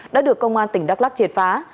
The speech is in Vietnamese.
đã được công an tỉnh đắk lắc triệt phá